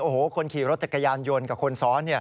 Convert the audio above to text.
โอ้โหคนขี่รถจักรยานยนต์กับคนซ้อน